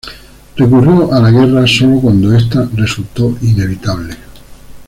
Recurrió a la guerra solo cuando esta resultó inevitable.